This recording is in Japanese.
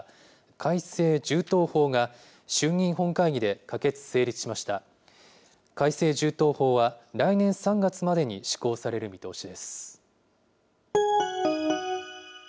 改正銃刀法は、来年３月までに施行される見通しです。